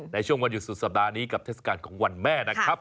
ในช่วงวันหยุดสุดสัปดาห์นี้กับเทศกาลของวันแม่นะครับ